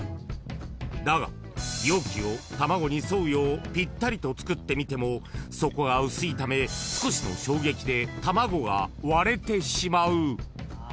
［だが容器を卵に沿うようぴったりと作ってみても底が薄いため少しの衝撃で卵が割れてしまう］